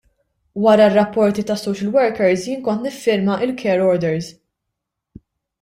Wara r-rapporti tas-social workers jien kont niffirma l-care orders.